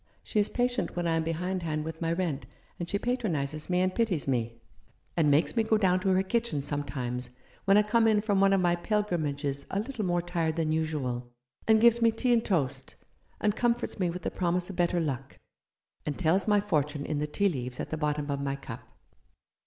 She is patient when I am behindhand with my rent ; and she patronizes me and pities me, and makes me go down to her kitchen sometimes when I come in from one of my pilgrimages a little more tired than usual, and gives me tea and toast, and comforts me with the promise of better luck, and tells my fortune in the tea leaves at the bottom of my cup.